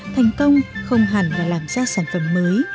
thành công không hẳn là làm ra sản phẩm mới